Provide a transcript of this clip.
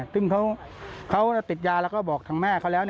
ซึ่งเขาติดยาแล้วก็บอกทางแม่เขาแล้ว